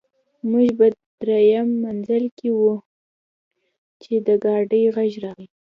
موږ په درېیم منزل کې وو چې د ګاډي غږ راغی